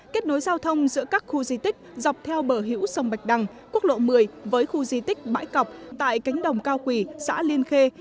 kết nối giao thông giữa các khu di tích dọc theo bờ hữu sông bạch đằng quốc lộ một mươi với khu di tích bãi cọc tại cánh đồng cao quỳ xã liên khê